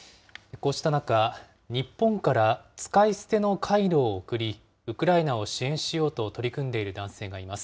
こうした中、日本から使い捨てのカイロを送り、ウクライナを支援しようと取り組んでいる男性がいます。